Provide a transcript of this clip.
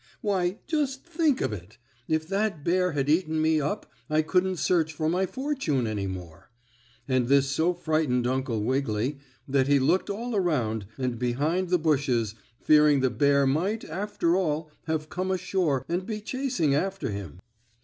Why, just think of it! If that bear had eaten me up I couldn't search for my fortune any more," and this so frightened Uncle Wiggily that he looked all around and behind the bushes, fearing the bear might, after all, have come ashore and be chasing after him.